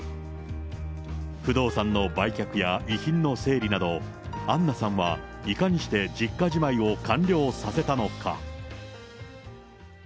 不動産の売却や遺品の整理など、アンナさんはいかにして実家じまいを完了させたのか。